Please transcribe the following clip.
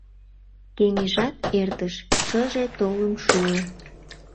Кеҥежат эртыш, шыже толын шуо.